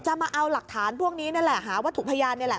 มาเอาหลักฐานพวกนี้นั่นแหละหาวัตถุพยานนี่แหละ